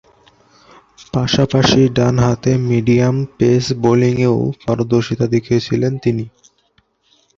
পাশাপাশি ডানহাতে medium pace বোলিংয়েও পারদর্শিতা দেখিয়েছেন তিনি।